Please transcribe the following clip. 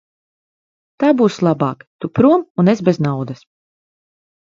Tā būs labāk; tu prom un es bez naudas.